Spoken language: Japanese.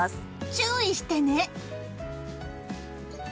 注意してね！